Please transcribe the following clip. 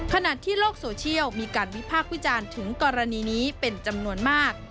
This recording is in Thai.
ขณะที่โลกโซเชียลมีการวิพากษ์วิจารณ์ถึงกรณีนี้เป็นจำนวนมาก